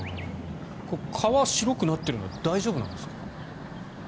川、白くなってるのは大丈夫なんですか？